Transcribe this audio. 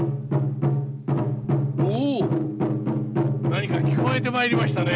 何か聞こえてまいりましたね。